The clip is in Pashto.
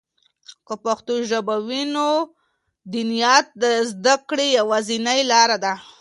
که پښتو ژبه وي، نو دیانت د زده کړې یوازینۍ لاره ده.